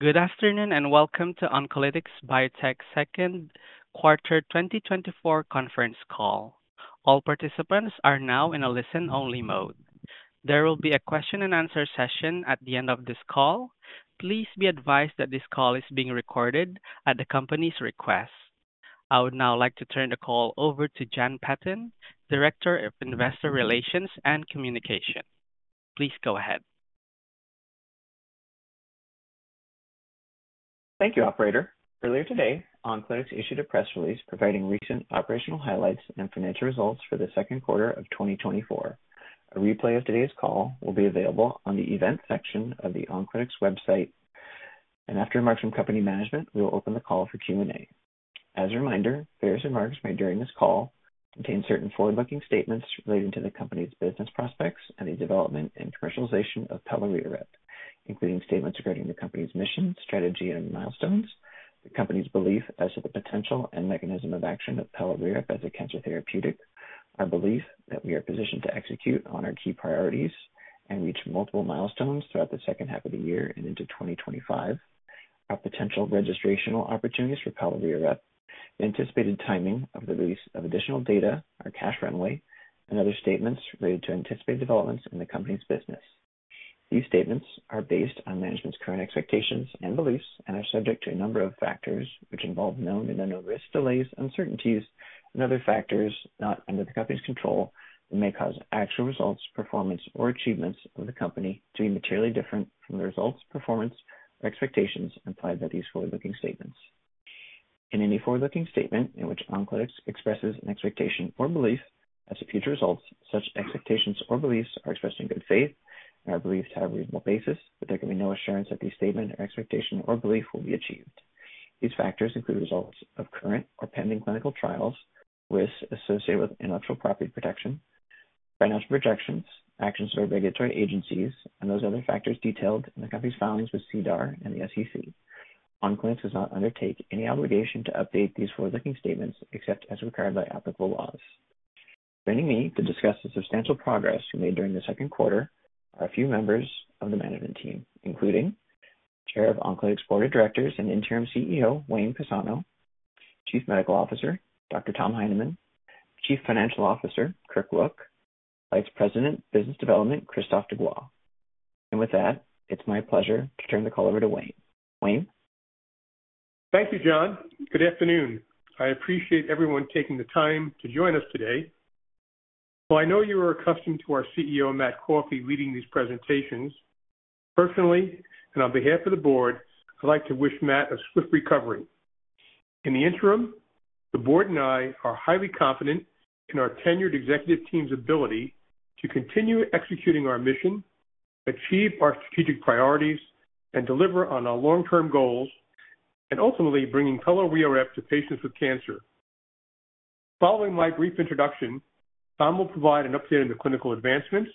Good afternoon and welcome to Oncolytics Biotech Q2 2024 conference call. All participants are now in a listen-only mode. There will be a Q&A session at the end of this call. Please be advised that this call is being recorded at the company's request. I would now like to turn the call over to Jon Patton, Director of Investor Relations and Communication. Please go ahead. Thank you, Operator. Earlier today, Oncolytics issued a press release providing recent operational highlights and financial results for the Q2 of 2024. A replay of today's call will be available on the event section of the Oncolytics website. After remarks from company management, we will open the call for Q&A. As a reminder, various remarks made during this call contain certain forward-looking statements relating to the company's business prospects and the development and commercialization of Pelareorep, including statements regarding the company's mission, strategy, and milestones, the company's belief as to the potential and mechanism of action of Pelareorep as a cancer therapeutic, our belief that we are positioned to execute on our key priorities and reach multiple milestones throughout the second half of the year and into 2025, our potential registrational opportunities for Pelareorep, the anticipated timing of the release of additional data, our cash runway, and other statements related to anticipated developments in the company's business. These statements are based on management's current expectations and beliefs and are subject to a number of factors, which involve known and unknown risk delays, uncertainties, and other factors not under the company's control that may cause actual results, performance, or achievements of the company to be materially different from the results, performance, or expectations implied by these forward-looking statements. In any forward-looking statement in which Oncolytics expresses an expectation or belief as to future results, such expectations or beliefs are expressed in good faith and are believed to have a reasonable basis, but there can be no assurance that the statement or expectation or belief will be achieved. These factors include results of current or pending clinical trials, risks associated with intellectual property protection, financial projections, actions of regulatory agencies, and those other factors detailed in the company's filings with SEDAR and the SEC. Oncolytics does not undertake any obligation to update these forward-looking statements except as required by applicable laws. Joining me to discuss the substantial progress we made during the Q2 are a few members of the management team, including Chair of Oncolytics Board of Directors and Interim CEO Wayne Pisano, Chief Medical Officer Dr. Tom Heineman, Chief Financial Officer Kirk Look, Vice President Business Development Christophe Degois. With that, it's my pleasure to turn the call over to Wayne. Wayne. Thank you, Jon. Good afternoon. I appreciate everyone taking the time to join us today. While I know you are accustomed to our CEO, Matt Coffey, leading these presentations, personally and on behalf of the board, I'd like to wish Matt a swift recovery. In the interim, the board and I are highly confident in our tenured executive team's ability to continue executing our mission, achieve our strategic priorities, and deliver on our long-term goals, and ultimately bringing Pelareorep to patients with cancer. Following my brief introduction, Tom will provide an update on the clinical advancements.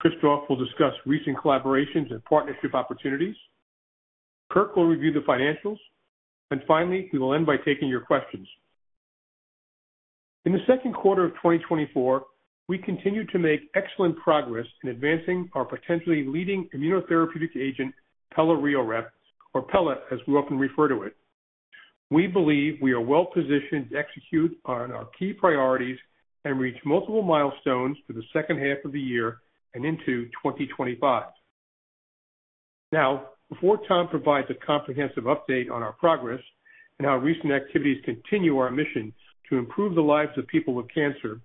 Christophe will discuss recent collaborations and partnership opportunities. Kirk will review the financials. And finally, we will end by taking your questions. In the Q2 of 2024, we continue to make excellent progress in advancing our potentially leading immunotherapeutic agent, Pelareorep, or Pela, as we often refer to it. We believe we are well positioned to execute on our key priorities and reach multiple milestones for the second half of the year and into 2025. Now, before Tom provides a comprehensive update on our progress and how recent activities continue our mission to improve the lives of people with cancer,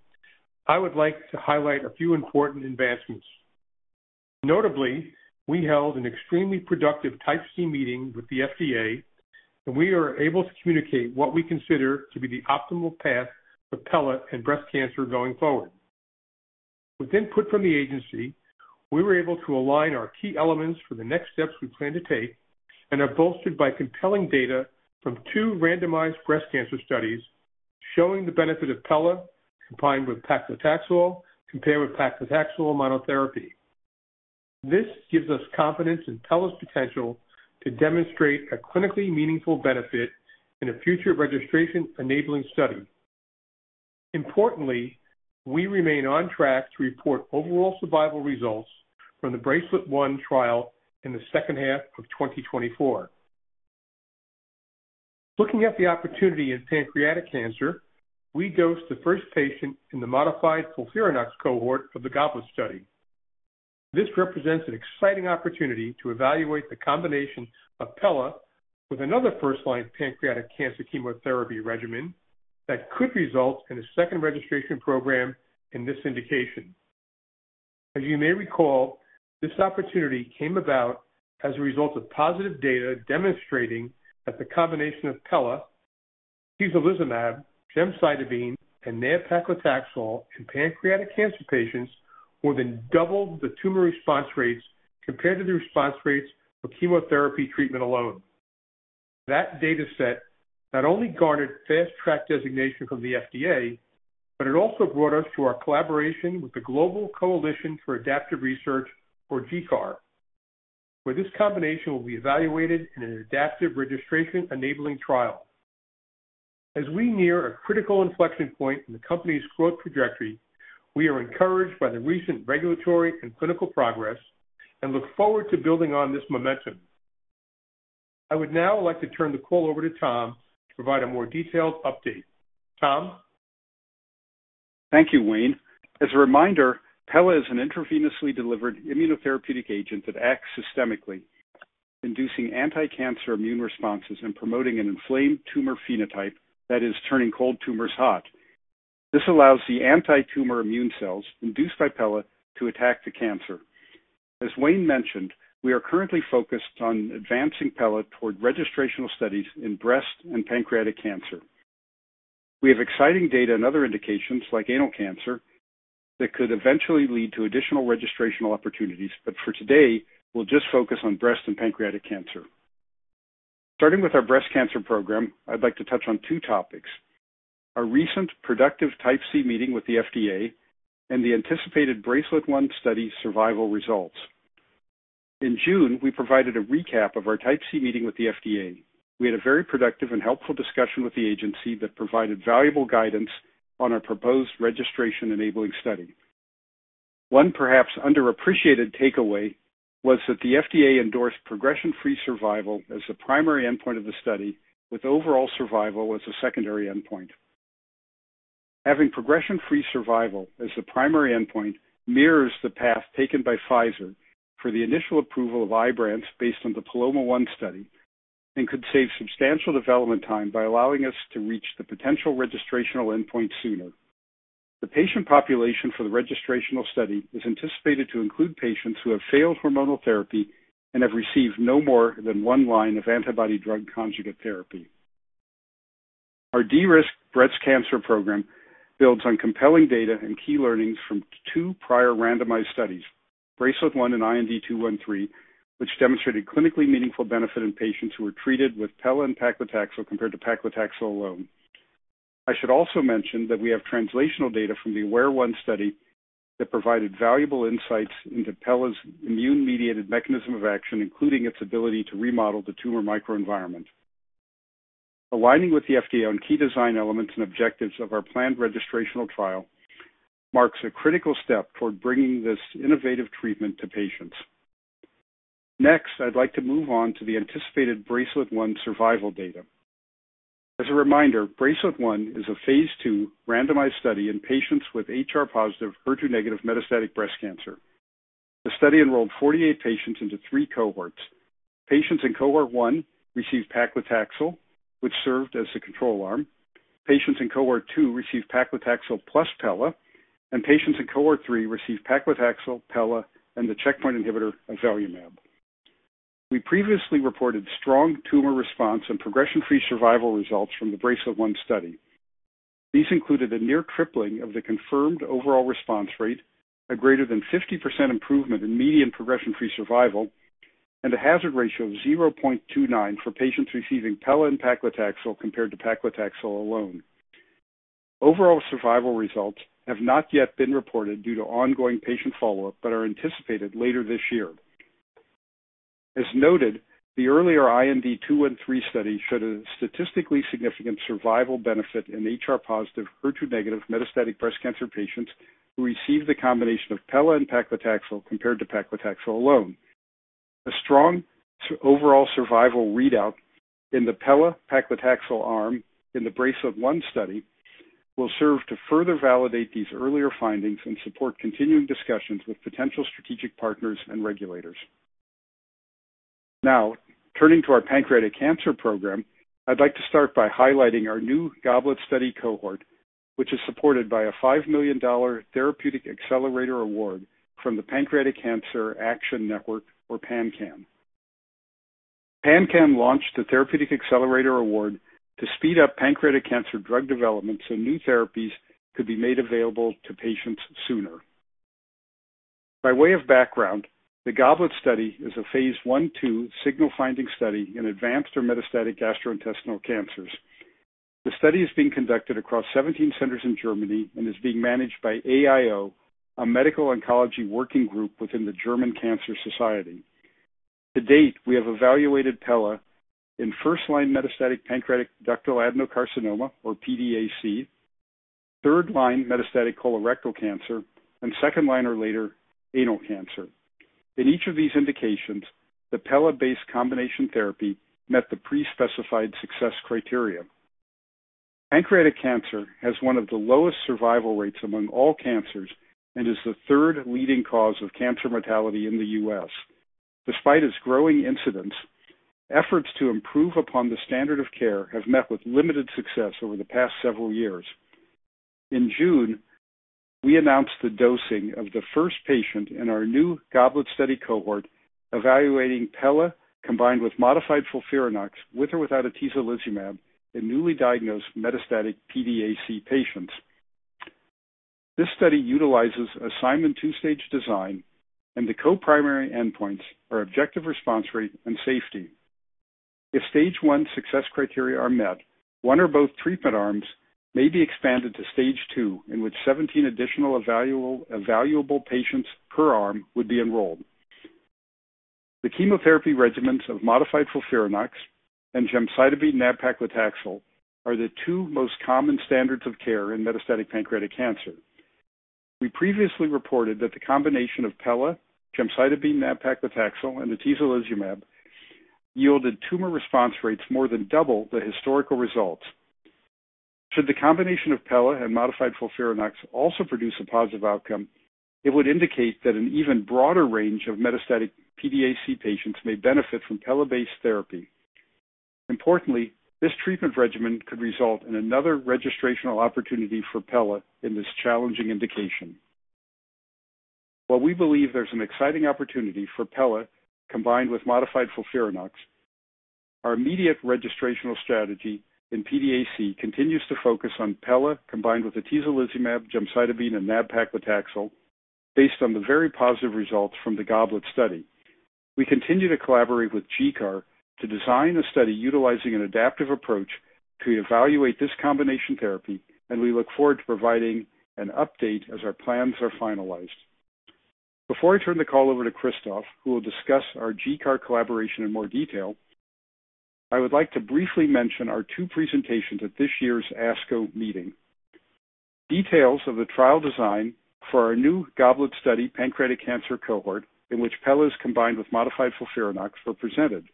I would like to highlight a few important advancements. Notably, we held an extremely productive Type C meeting with the FDA, and we were able to communicate what we consider to be the optimal path for Pela and breast cancer going forward. With input from the agency, we were able to align our key elements for the next steps we plan to take and are bolstered by compelling data from two randomized breast cancer studies showing the benefit of Pela combined with paclitaxel compared with paclitaxel monotherapy. This gives us confidence in Pela's potential to demonstrate a clinically meaningful benefit in a future registration-enabling study. Importantly, we remain on track to report overall survival results from the BRACELET-1 trial in the second half of 2024. Looking at the opportunity in pancreatic cancer, we dosed the first patient in the modified FOLFIRINOX cohort of the GOBLET study. This represents an exciting opportunity to evaluate the combination of Pela with another first-line pancreatic cancer chemotherapy regimen that could result in a second registration program in this indication. As you may recall, this opportunity came about as a result of positive data demonstrating that the combination of Pela, Atezolizumab, Gemcitabine, and nab-paclitaxel in pancreatic cancer patients more than doubled the tumor response rates compared to the response rates for chemotherapy treatment alone. That data set not only garnered fast-track designation from the FDA, but it also brought us to our collaboration with the Global Coalition for Adaptive Research, or GCAR, where this combination will be evaluated in an adaptive registration-enabling trial. As we near a critical inflection point in the company's growth trajectory, we are encouraged by the recent regulatory and clinical progress and look forward to building on this momentum. I would now like to turn the call over to Tom to provide a more detailed update. Tom? Thank you, Wayne. As a reminder, Pela is an intravenously delivered immunotherapeutic agent that acts systemically, inducing anti-cancer immune responses and promoting an inflamed tumor phenotype that is turning cold tumors hot. This allows the anti-tumor immune cells induced by Pela to attack the cancer. As Wayne mentioned, we are currently focused on advancing Pela toward registrational studies in breast and pancreatic cancer. We have exciting data and other indications, like anal cancer, that could eventually lead to additional registrational opportunities, but for today, we'll just focus on breast and pancreatic cancer. Starting with our breast cancer program, I'd like to touch on two topics: our recent productive Type C meeting with the FDA and the anticipated BRACELET-1 study survival results. In June, we provided a recap of our Type C meeting with the FDA. We had a very productive and helpful discussion with the agency that provided valuable guidance on our proposed registration-enabling study. One perhaps underappreciated takeaway was that the FDA endorsed progression-free survival as the primary endpoint of the study, with overall survival as a secondary endpoint. Having progression-free survival as the primary endpoint mirrors the path taken by Pfizer for the initial approval of Ibrance based on the PALOMA-1 study and could save substantial development time by allowing us to reach the potential registrational endpoint sooner. The patient population for the registrational study is anticipated to include patients who have failed hormonal therapy and have received no more than one line of antibody-drug conjugate therapy. Our DRISK breast cancer program builds on compelling data and key learnings from two prior randomized studies, BRACELET-1 and IND-213, which demonstrated clinically meaningful benefit in patients who were treated with Pela and paclitaxel compared to paclitaxel alone. I should also mention that we have translational data from the AWARE-1 study that provided valuable insights into Pela's immune-mediated mechanism of action, including its ability to remodel the tumor microenvironment. Aligning with the FDA on key design elements and objectives of our planned registrational trial marks a critical step toward bringing this innovative treatment to patients. Next, I'd like to move on to the anticipated BRACELET-1 survival data. As a reminder, BRACELET-1 is a phase II randomized study in patients with HR-positive HER2-negative metastatic breast cancer. The study enrolled 48 patients into three cohorts. Patients in cohort one received paclitaxel, which served as the control arm. Patients in cohort two received paclitaxel plus Pela, and patients in cohort three received paclitaxel, Pela, and the checkpoint inhibitor, Atezolizumab. We previously reported strong tumor response and progression-free survival results from the BRACELET-1 study. These included a near tripling of the confirmed overall response rate, a greater than 50% improvement in median progression-free survival, and a hazard ratio of 0.29 for patients receiving Pela and paclitaxel compared to paclitaxel alone. Overall survival results have not yet been reported due to ongoing patient follow-up, but are anticipated later this year. As noted, the earlier IND-213 study showed a statistically significant survival benefit in HR-positive, HER2-negative metastatic breast cancer patients who received the combination of Pela and paclitaxel compared to paclitaxel alone. A strong overall survival readout in the Pela/paclitaxel arm in the Bracelet One study will serve to further validate these earlier findings and support continuing discussions with potential strategic partners and regulators. Now, turning to our pancreatic cancer program, I'd like to start by highlighting our new Gottlieb study cohort, which is supported by a $5 million Therapeutic Accelerator Award from the Pancreatic Cancer Action Network, or PanCAN. PanCAN launched the Therapeutic Accelerator Award to speed up pancreatic cancer drug development so new therapies could be made available to patients sooner. By way of background, the Gottlieb study is a phase I-II signal-finding study in advanced or metastatic gastrointestinal cancers. The study is being conducted across 17 centers in Germany and is being managed by AIO, a medical oncology working group within the German Cancer Society. To date, we have evaluated Pela in first-line metastatic pancreatic ductal adenocarcinoma, or PDAC, third-line metastatic colorectal cancer, and second-line or later anal cancer. In each of these indications, the Pela-based combination therapy met the pre-specified success criteria. Pancreatic cancer has one of the lowest survival rates among all cancers and is the third leading cause of cancer mortality in the U.S. Despite its growing incidence, efforts to improve upon the standard of care have met with limited success over the past several years. In June, we announced the dosing of the first patient in our new Gottlieb study cohort evaluating Pela combined with modified FOLFIRINOX with or without Atezolizumab in newly diagnosed metastatic PDAC patients. This study utilizes a Simon two-stage design, and the co-primary endpoints are objective response rate and safety. If stage I success criteria are met, one or both treatment arms may be expanded to stage II, in which 17 additional evaluable patients per arm would be enrolled. The chemotherapy regimens of modified FOLFIRINOX and Gemcitabine/nab-paclitaxel are the two most common standards of care in metastatic pancreatic cancer. We previously reported that the combination of Pela, Gemcitabine/nab-paclitaxel, and Atezolizumab yielded tumor response rates more than double the historical results. Should the combination of Pela and modified FOLFIRINOX also produce a positive outcome, it would indicate that an even broader range of metastatic PDAC patients may benefit from Pela-based therapy. Importantly, this treatment regimen could result in another registrational opportunity for Pela in this challenging indication. While we believe there's an exciting opportunity for Pela combined with modified FOLFIRINOX, our immediate registrational strategy in PDAC continues to focus on Pela combined with Atezolizumab, Gemcitabine, and nab-paclitaxel based on the very positive results from the Gottlieb study. We continue to collaborate with GCAR to design a study utilizing an adaptive approach to evaluate this combination therapy, and we look forward to providing an update as our plans are finalized. Before I turn the call over to Christophe, who will discuss our GCAR collaboration in more detail, I would like to briefly mention our two presentations at this year's ASCO meeting. Details of the trial design for our new Gottlieb study pancreatic cancer cohort, in which Pela is combined with modified FOLFIRINOX, were presented.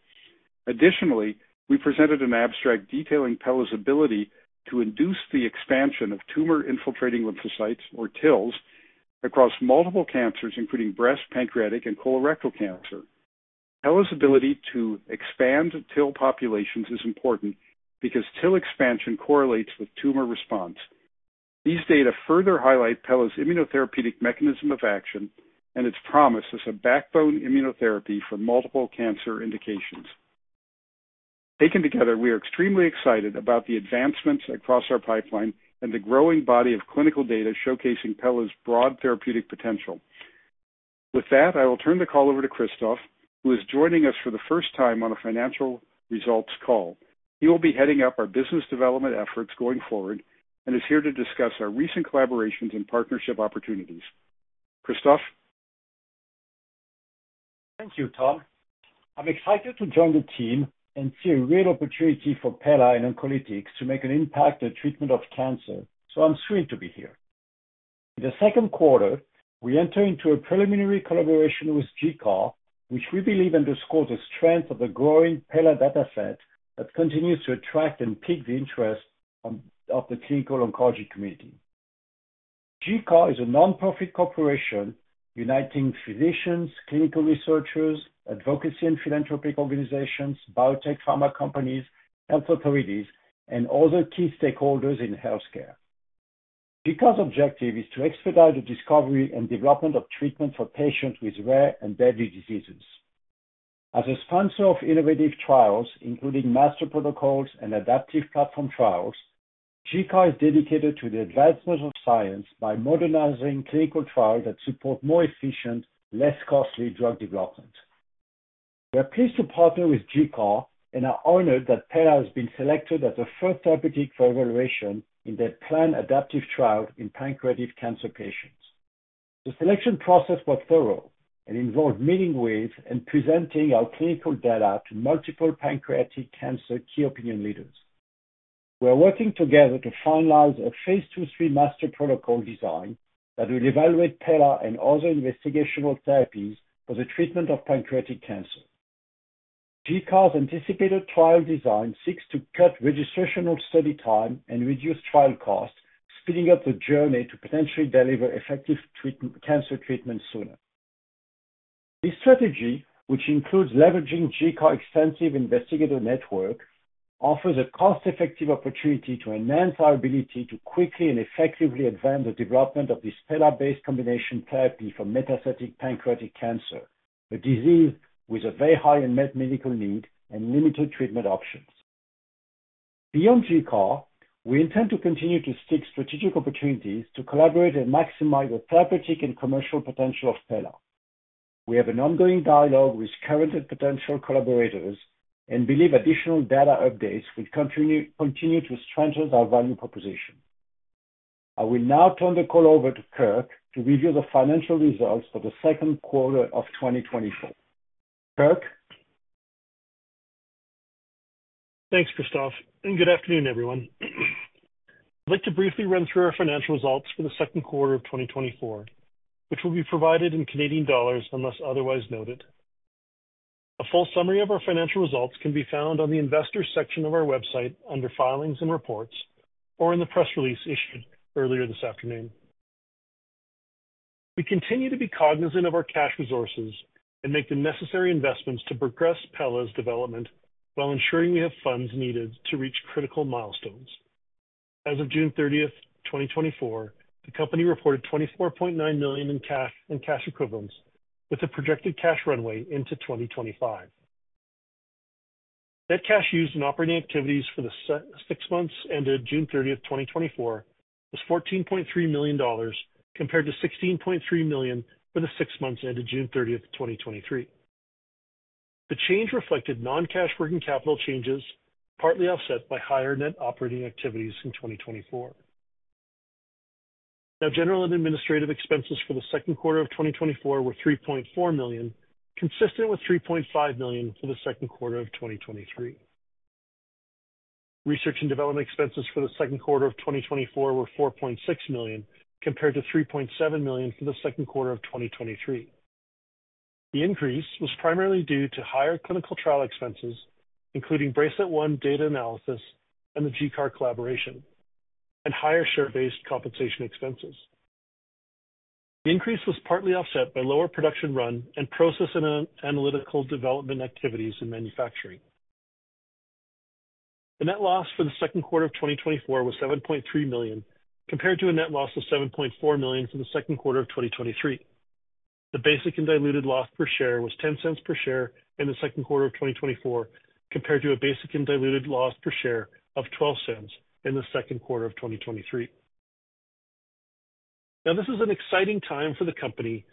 Additionally, we presented an abstract detailing Pela's ability to induce the expansion of tumor-infiltrating lymphocytes, or TILs, across multiple cancers, including breast, pancreatic, and colorectal cancer. Pela's ability to expand TIL populations is important because TIL expansion correlates with tumor response. These data further highlight Pela's immunotherapeutic mechanism of action and its promise as a backbone immunotherapy for multiple cancer indications. Taken together, we are extremely excited about the advancements across our pipeline and the growing body of clinical data showcasing Pela's broad therapeutic potential. With that, I will turn the call over to Christophe, who is joining us for the first time on a financial results call. He will be heading up our business development efforts going forward and is here to discuss our recent collaborations and partnership opportunities. Christophe? Thank you, Tom. I'm excited to join the team and see a real opportunity for Pela and Oncolytics to make an impact on treatment of cancer, so I'm thrilled to be here. In the Q2, we enter into a preliminary collaboration with GCAR, which we believe underscores the strength of the growing Pela data set that continues to attract and pique the interest of the clinical oncology community. GCAR is a nonprofit corporation uniting physicians, clinical researchers, advocacy and philanthropic organizations, biotech pharma companies, health authorities, and other key stakeholders in healthcare. GCAR's objective is to expedite the discovery and development of treatment for patients with rare and deadly diseases. As a sponsor of innovative trials, including master protocols and adaptive platform trials, GCAR is dedicated to the advancement of science by modernizing clinical trials that support more efficient, less costly drug development. We are pleased to partner with GCAR and are honored that Pela has been selected as the first therapeutic for evaluation in their planned adaptive trial in pancreatic cancer patients. The selection process was thorough and involved meeting with and presenting our clinical data to multiple pancreatic cancer key opinion leaders. We are working together to finalize a phase II/III master protocol design that will evaluate Pela and other investigational therapies for the treatment of pancreatic cancer. GCAR's anticipated trial design seeks to cut registrational study time and reduce trial costs, speeding up the journey to potentially deliver effective cancer treatment sooner. This strategy, which includes leveraging GCAR's extensive investigator network, offers a cost-effective opportunity to enhance our ability to quickly and effectively advance the development of this Pela-based combination therapy for metastatic pancreatic cancer, a disease with a very high unmet medical need and limited treatment options. Beyond GCAR, we intend to continue to seek strategic opportunities to collaborate and maximize the therapeutic and commercial potential of Pela. We have an ongoing dialogue with current and potential collaborators and believe additional data updates will continue to strengthen our value proposition. I will now turn the call over to Kirk to review the financial results for the Q2 of 2024. Kirk? Thanks, Christophe. Good afternoon, everyone. I'd like to briefly run through our financial results for the Q2 of 2024, which will be provided in Canadian dollars unless otherwise noted. A full summary of our financial results can be found on the Investors section of our website under Filings and Reports or in the press release issued earlier this afternoon. We continue to be cognizant of our cash resources and make the necessary investments to progress Pela's development while ensuring we have funds needed to reach critical milestones. As of June 30, 2024, the company reported 24.9 million in cash and cash equivalents with a projected cash runway into 2025. Net cash used in operating activities for the six months ended June 30, 2024, was 14.3 million dollars compared to 16.3 million for the six months ended June 30, 2023. The change reflected non-cash working capital changes partly offset by higher net operating activities in 2024. Now, general and administrative expenses for the Q2 of 2024 were $3.4 million, consistent with $3.5 million for the Q2 of 2023. Research and development expenses for the Q2 of 2024 were $4.6 million compared to $3.7 million for the Q2 of 2023. The increase was primarily due to higher clinical trial expenses, including Bracelet-1 data analysis and the GCAR collaboration, and higher share-based compensation expenses. The increase was partly offset by lower production run and process and analytical development activities in manufacturing. The net loss for the Q2 of 2024 was $7.3 million compared to a net loss of $7.4 million for the Q2 of 2023. The basic and diluted loss per share was $0.10 per share in the Q2 of 2024 compared to a basic and diluted loss per share of $0.12 in the Q2 of 2023. Now, this is an exciting time for the company,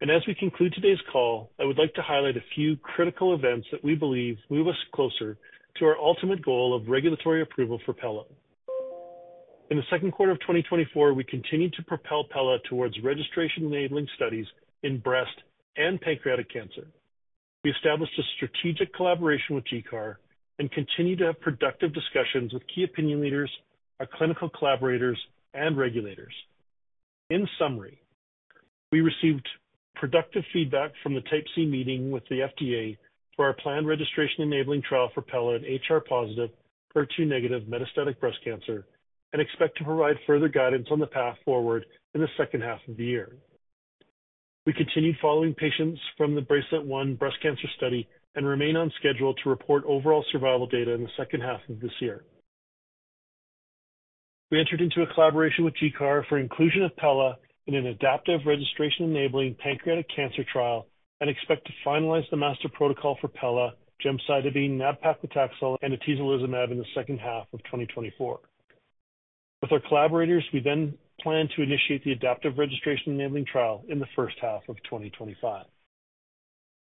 and as we conclude today's call, I would like to highlight a few critical events that we believe move us closer to our ultimate goal of regulatory approval for Pela. In the Q2 of 2024, we continued to propel Pela towards registration-enabling studies in breast and pancreatic cancer. We established a strategic collaboration with GCAR and continue to have productive discussions with key opinion leaders, our clinical collaborators, and regulators. In summary, we received productive feedback from the Type C meeting with the FDA for our planned registration-enabling trial for Pela HR-positive, HER2-negative metastatic breast cancer and expect to provide further guidance on the path forward in the second half of the year. We continued following patients from the BRACELET-1 breast cancer study and remain on schedule to report overall survival data in the second half of this year. We entered into a collaboration with GCAR for inclusion of Pela in an adaptive registration-enabling pancreatic cancer trial and expect to finalize the master protocol for Pela, Gemcitabine, nab-paclitaxel, and Atezolizumab in the second half of 2024. With our collaborators, we then plan to initiate the adaptive registration-enabling trial in the first half of 2025.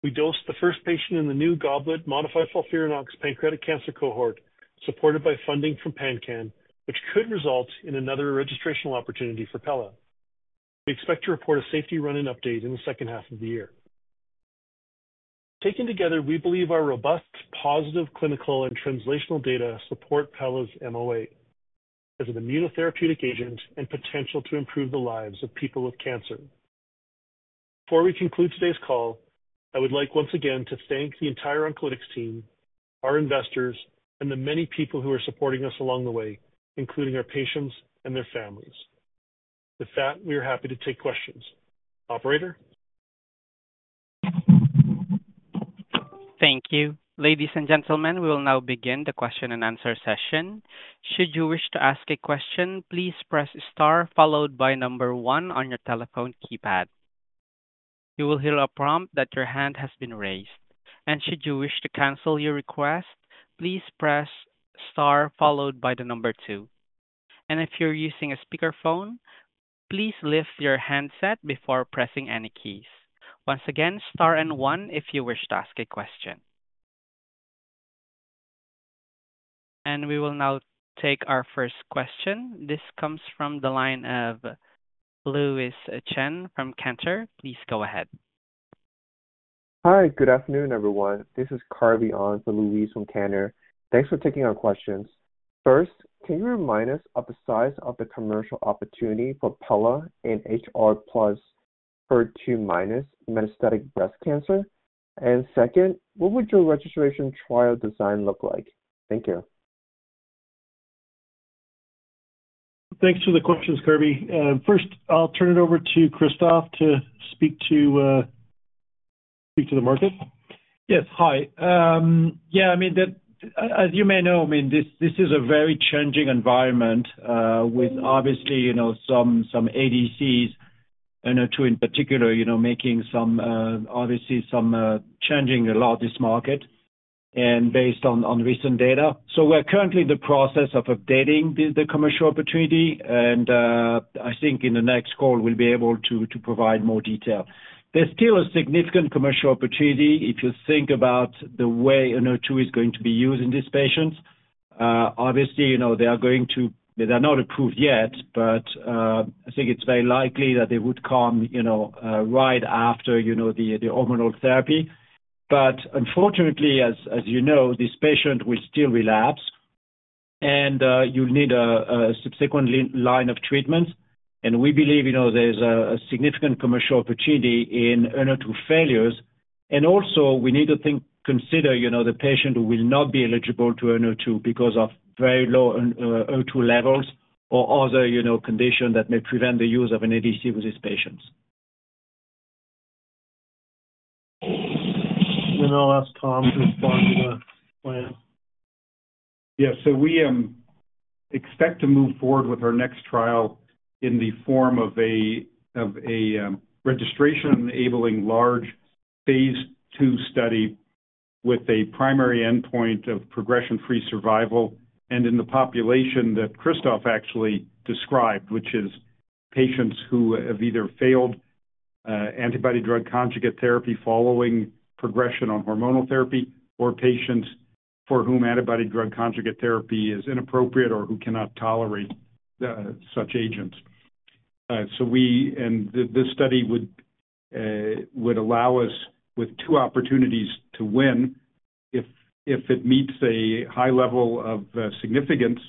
We dosed the first patient in the new Gottlieb modified FOLFIRINOX pancreatic cancer cohort supported by funding from PanCAN, which could result in another registrational opportunity for Pela. We expect to report a safety run-in update in the second half of the year. Taken together, we believe our robust, positive clinical and translational data support Pela's MOA as an immunotherapeutic agent and potential to improve the lives of people with cancer. Before we conclude today's call, I would like once again to thank the entire Oncolytics team, our investors, and the many people who are supporting us along the way, including our patients and their families. With that, we are happy to take questions. Operator? Thank you. Ladies and gentlemen, we will now begin the Q&A session. Should you wish to ask a question, please press star followed by number one on your telephone keypad. You will hear a prompt that your hand has been raised. Should you wish to cancel your request, please press star followed by the number two. If you're using a speakerphone, please lift your handset before pressing any keys. Once again, star and one if you wish to ask a question. We will now take our first question. This comes from the line of Louise Chen from Cantor. Please go ahead. Hi, good afternoon, everyone. This is Carvey on for Louise from Cantor. Thanks for taking our questions. First, can you remind us of the size of the commercial opportunity for Pela and HR-plus HER2-minus metastatic breast cancer? And second, what would your registration trial design look like? Thank you. Thanks for the questions, Carvey. First, I'll turn it over to Christophe to speak to the market. Yes, hi. Yeah, I mean, as you may know, I mean, this is a very changing environment with obviously some ADCs and HER2 in particular, making obviously some changing a lot this market and based on recent data. So we're currently in the process of updating the commercial opportunity, and I think in the next call, we'll be able to provide more detail. There's still a significant commercial opportunity if you think about the way HER2 is going to be used in these patients. Obviously, they are going to - they're not approved yet, but I think it's very likely that they would come right after the hormonal therapy. But unfortunately, as you know, this patient will still relapse, and you'll need a subsequent line of treatments. We believe there's a significant commercial opportunity in HER2 failures. Also, we need to consider the patient who will not be eligible to HER2 because of very low HER2 levels or other conditions that may prevent the use of an ADC with these patients. Let's ask Tom to respond to the plan. Yeah, so we expect to move forward with our next trial in the form of a registration-enabling large phase II study with a primary endpoint of progression-free survival and in the population that Christophe actually described, which is patients who have either failed antibody-drug conjugate therapy following progression on hormonal therapy or patients for whom antibody-drug conjugate therapy is inappropriate or who cannot tolerate such agents. This study would allow us with two opportunities to win. If it meets a high level of significance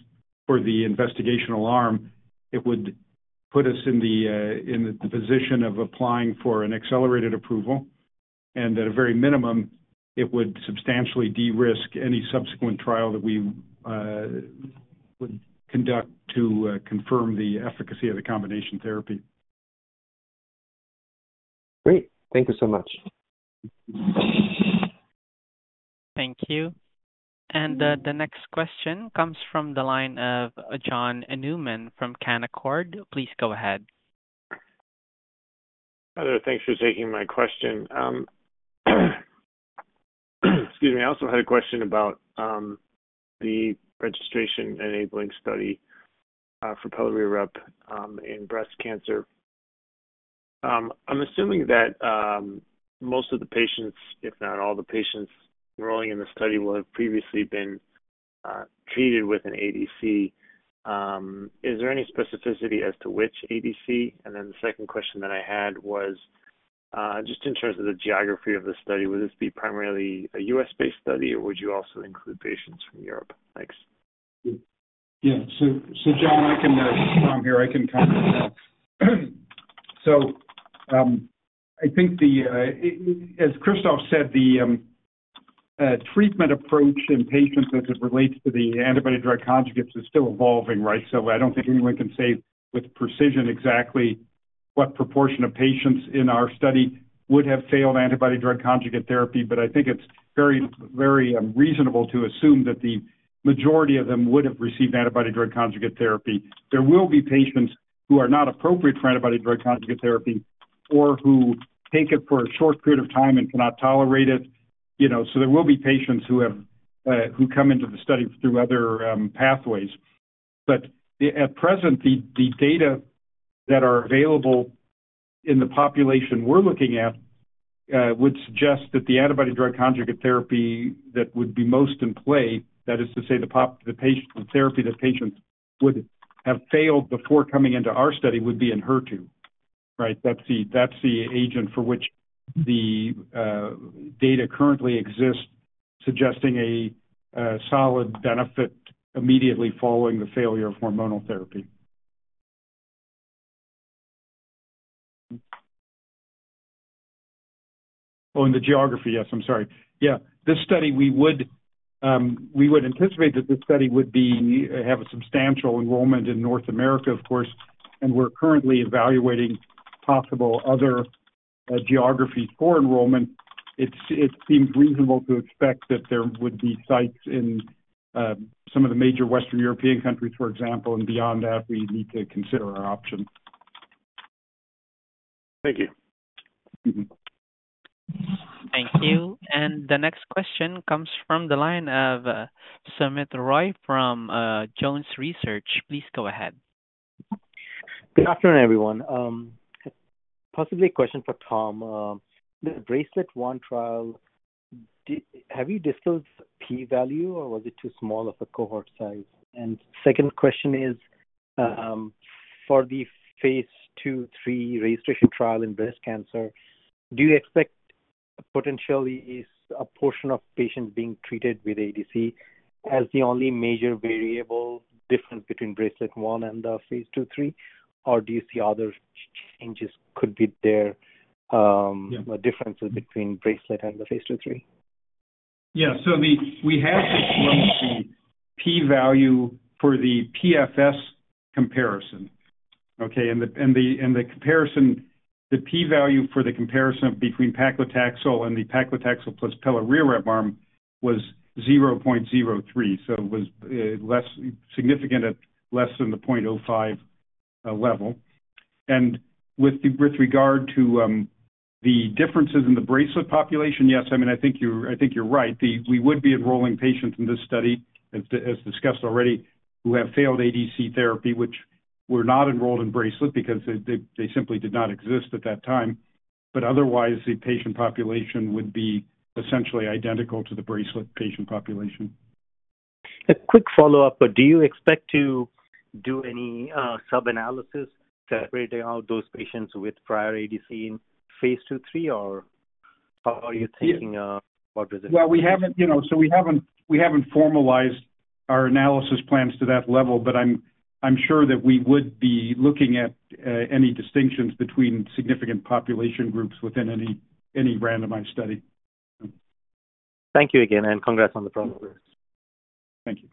for the investigational arm, it would put us in the position of applying for an accelerated approval. At a very minimum, it would substantially de-risk any subsequent trial that we would conduct to confirm the efficacy of the combination therapy. Great. Thank you so much. Thank you. The next question comes from the line of John Newman from Canaccord. Please go ahead. Hello, thanks for taking my question. Excuse me, I also had a question about the registration-enabling study for Pelareorep in breast cancer. I'm assuming that most of the patients, if not all the patients enrolling in the study, will have previously been treated with an ADC. Is there any specificity as to which ADC? And then the second question that I had was just in terms of the geography of the study, would this be primarily a U.S. based study, or would you also include patients from Europe? Thanks. Yeah, so John, Tom here, I can kind of, so I think, as Christophe said, the treatment approach in patients as it relates to the antibody-drug conjugates is still evolving, right? So I don't think anyone can say with precision exactly what proportion of patients in our study would have failed antibody-drug conjugate therapy, but I think it's very reasonable to assume that the majority of them would have received antibody-drug conjugate therapy. There will be patients who are not appropriate for antibody-drug conjugate therapy or who take it for a short period of time and cannot tolerate it. So there will be patients who come into the study through other pathways. But at present, the data that are available in the population we're looking at would suggest that the antibody drug conjugate therapy that would be most in play, that is to say the therapy that patients would have failed before coming into our study, would be in HER2, right? That's the agent for which the data currently exists, suggesting a solid benefit immediately following the failure of hormonal therapy. Oh, and the geography, yes, I'm sorry. Yeah, this study, we would anticipate that this study would have a substantial enrollment in North America, of course, and we're currently evaluating possible other geographies for enrollment. It seems reasonable to expect that there would be sites in some of the major Western European countries, for example, and beyond that, we need to consider our option. Thank you. Thank you. The next question comes from the line of Soumit Roy from Jones Research. Please go ahead. Good afternoon, everyone. Possibly a question for Tom. The BRACELET-1 trial, have you distilled P-value, or was it too small of a cohort size? And second question is for the phase II, III registration trial in breast cancer, do you expect potentially a portion of patients being treated with ADC as the only major variable difference between BRACELET-1 and the phase II, III? Or do you see other changes could be there, differences between BRACELET-1 and the phase II, III? Yeah, so we have this one, the P-value for the PFS comparison, okay? And the comparison, the P-value for the comparison between paclitaxel and the paclitaxel plus Pelareorep arm was 0.03. So it was less significant at less than the 0.05 level. And with regard to the differences in the Bracelet population, yes, I mean, I think you're right. We would be enrolling patients in this study, as discussed already, who have failed ADC therapy, which were not enrolled in Bracelet because they simply did not exist at that time. But otherwise, the patient population would be essentially identical to the Bracelet patient population. A quick follow-up, do you expect to do any sub-analysis separating out those patients with prior ADC in phase II, III, or how are you thinking about resistance? Well, so we haven't formalized our analysis plans to that level, but I'm sure that we would be looking at any distinctions between significant population groups within any randomized study. Thank you again, and congrats on the progress. Thank you.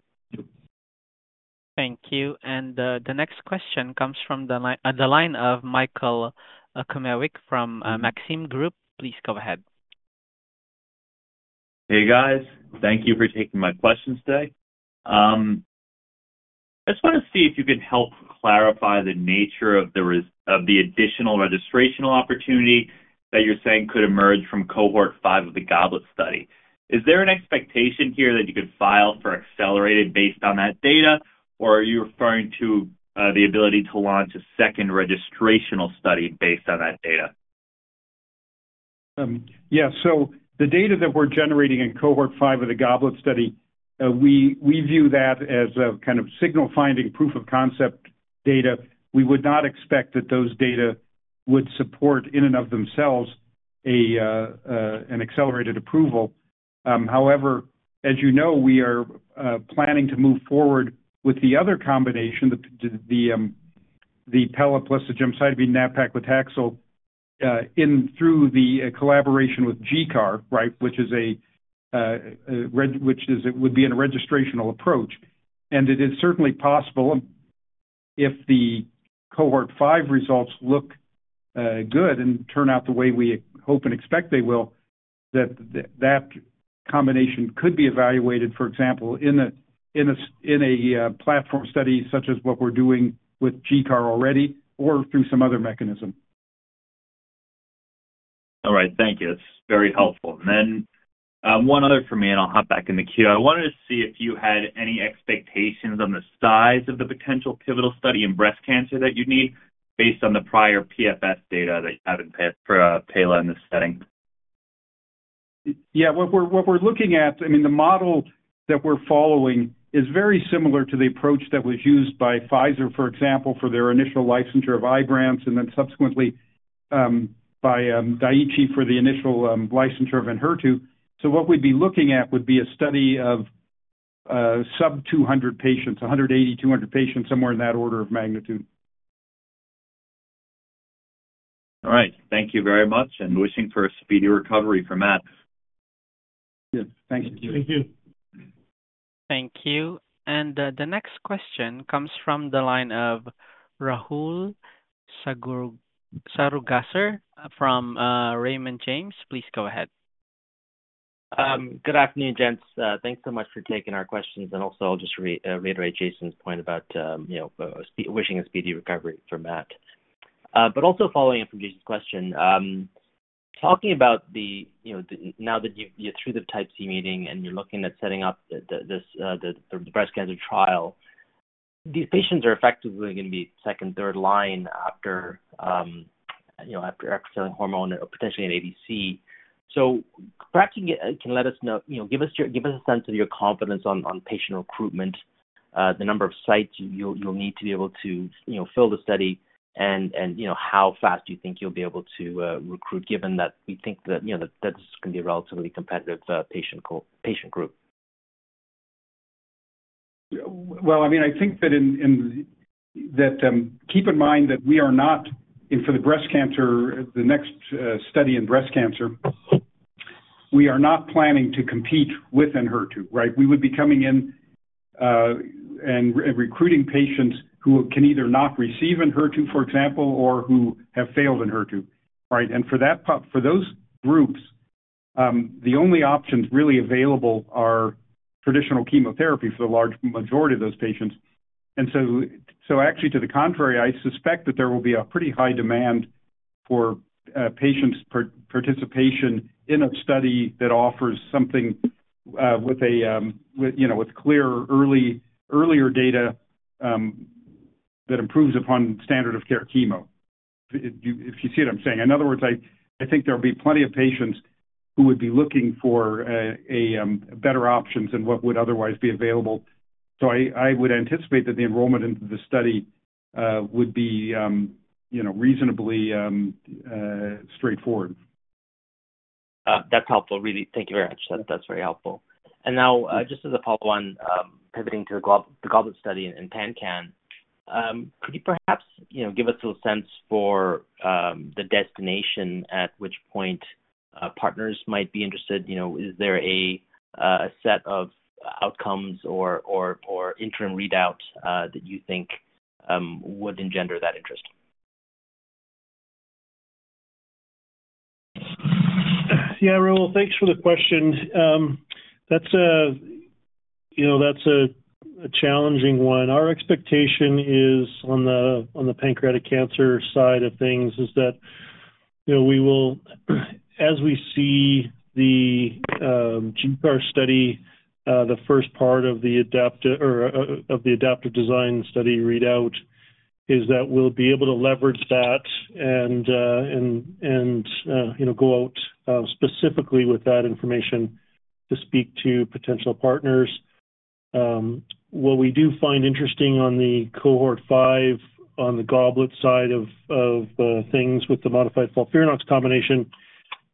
Thank you. The next question comes from the line of Michael Okunewitch from Maxim Group. Please go ahead. Hey, guys. Thank you for taking my questions today. I just want to see if you could help clarify the nature of the additional registrational opportunity that you're saying could emerge from cohort five of the Gottlieb study. Is there an expectation here that you could file for accelerated based on that data, or are you referring to the ability to launch a second registrational study based on that data? Yeah, so the data that we're generating in cohort five of the Gottlieb study, we view that as a kind of signal-finding proof of concept data. We would not expect that those data would support in and of themselves an accelerated approval. However, as you know, we are planning to move forward with the other combination, the Pela plus the Gemcitabine nab-paclitaxel, through the collaboration with GCAR, right, which would be in a registrational approach. And it is certainly possible if the cohort five results look good and turn out the way we hope and expect they will, that that combination could be evaluated, for example, in a platform study such as what we're doing with GCAR already or through some other mechanism. All right, thank you. It's very helpful. And then one other for me, and I'll hop back in the queue. I wanted to see if you had any expectations on the size of the potential pivotal study in breast cancer that you'd need based on the prior PFS data that you have in Pelareorep in this setting. Yeah, what we're looking at, I mean, the model that we're following is very similar to the approach that was used by Pfizer, for example, for their initial licensure of Ibrance, and then subsequently by Daiichi for the initial licensure of Enhertu. So what we'd be looking at would be a study of sub-200 patients, 180, 200 patients, somewhere in that order of magnitude. All right. Thank you very much, and wishing for a speedy recovery from that. Yeah, thanks. Thank you. Thank you. The next question comes from the line of Rahul Sarugaser from Raymond James. Please go ahead. Good afternoon, gents. Thanks so much for taking our questions. And also, I'll just reiterate Jason's point about wishing a speedy recovery from that. But also following up from Jason's question, talking about now that you're through the Type C meeting and you're looking at setting up the breast cancer trial, these patients are effectively going to be second, third line after failing hormone or potentially an ADC. So perhaps you can let us know, give us a sense of your confidence on patient recruitment, the number of sites you'll need to be able to fill the study, and how fast do you think you'll be able to recruit, given that we think that this is going to be a relatively competitive patient group? Well, I mean, I think that keep in mind that we are not—and for the breast cancer, the next study in breast cancer, we are not planning to compete with Enhertu, right? We would be coming in and recruiting patients who can either not receive Enhertu, for example, or who have failed Enhertu, right? And for those groups, the only options really available are traditional chemotherapy for the large majority of those patients. And so actually, to the contrary, I suspect that there will be a pretty high demand for patients' participation in a study that offers something with clear earlier data that improves upon standard of care chemo, if you see what I'm saying. In other words, I think there will be plenty of patients who would be looking for better options than what would otherwise be available. I would anticipate that the enrollment into the study would be reasonably straightforward. That's helpful, really. Thank you very much. That's very helpful. And now, just as a follow-up on pivoting to the Gottlieb study and PanCAN, could you perhaps give us a sense for the destination at which point partners might be interested? Is there a set of outcomes or interim readouts that you think would engender that interest? Yeah, Rahul, thanks for the question. That's a challenging one. Our expectation on the pancreatic cancer side of things is that we will, as we see the GCAR study, the first part of the adaptive design study readout, is that we'll be able to leverage that and go out specifically with that information to speak to potential partners. What we do find interesting on the cohort five on the Gottlieb side of things with the modified FOLFIRINOX combination is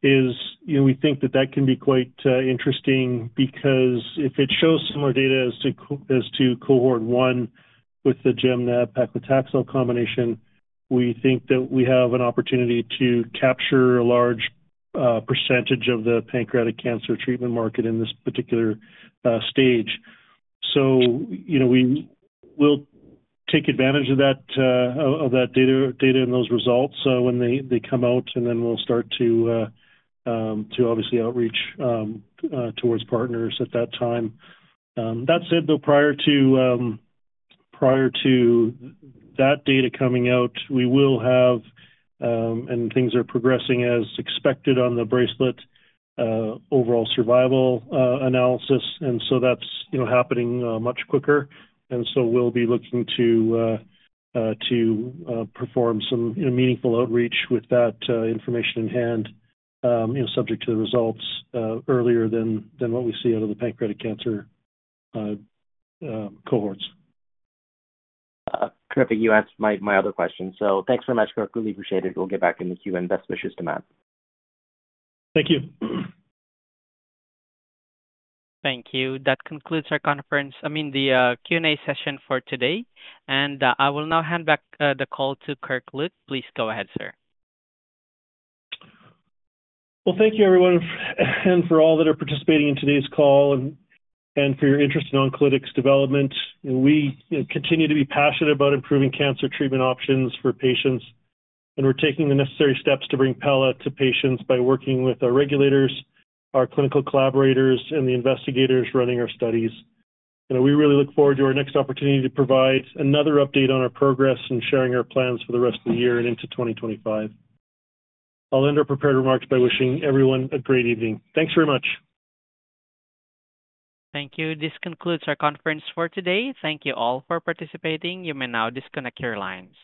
we think that that can be quite interesting because if it shows similar data as to cohort one with the Gemcitabine nab-paclitaxel combination, we think that we have an opportunity to capture a large percentage of the pancreatic cancer treatment market in this particular stage. So we will take advantage of that data and those results when they come out, and then we'll start to obviously outreach towards partners at that time. That said, though, prior to that data coming out, we will have, and things are progressing as expected on the BRACELET-1 overall survival analysis, and so that's happening much quicker. And so we'll be looking to perform some meaningful outreach with that information in hand, subject to the results earlier than what we see out of the pancreatic cancer cohorts. Terrific. You asked my other question. So thanks very much, Kirk. Really appreciate it. We'll get back in the queue, and best wishes to Matt. Thank you. Thank you. That concludes our conference, I mean, the Q&A session for today. I will now hand back the call to Kirk Look. Please go ahead, sir. Well, thank you, everyone, and for all that are participating in today's call, and for your interest in Oncolytics development. We continue to be passionate about improving cancer treatment options for patients, and we're taking the necessary steps to bring Pela to patients by working with our regulators, our clinical collaborators, and the investigators running our studies. We really look forward to our next opportunity to provide another update on our progress and sharing our plans for the rest of the year and into 2025. I'll end our prepared remarks by wishing everyone a great evening. Thanks very much. Thank you. This concludes our conference for today. Thank you all for participating. You may now disconnect your lines.